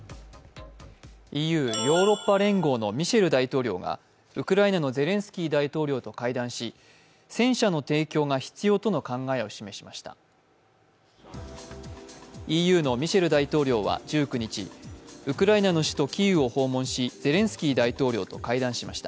ＥＵ＝ヨーロッパ連合のミシェル大統領はウクライナのゼレンスキー大統領と会談し戦車の提供が必要との考えを示しました。